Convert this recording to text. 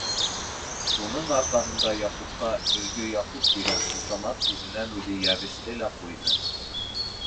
Шуның арҡаһында Яҡупҡа «Өлгө Яҡуп» тигән ҡушамат үҙенән-үҙе йәбеште лә ҡуйҙы.